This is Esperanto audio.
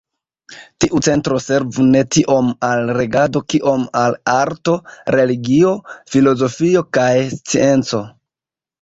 Tiu centro servu ne tiom al regado kiom al arto, religio, filozofio kaj scienco.